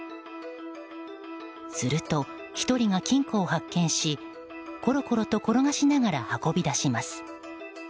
すると、１人が金庫を発見しころころと転がしながら運び出します。